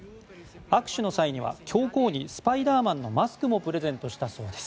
握手の際には教皇にスパイダーマンのマスクもプレゼントしたそうです。